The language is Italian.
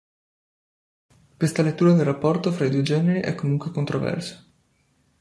Questa lettura del rapporto fra i due generi è comunque controversa.